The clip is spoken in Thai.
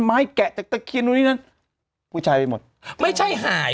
แกะจากตะเคียนนู่นนี่นั่นผู้ชายไปหมดไม่ใช่หาย